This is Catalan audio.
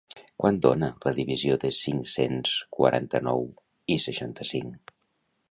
Quant dona la divisió de cinc-cents quaranta-nou i seixanta-cinc?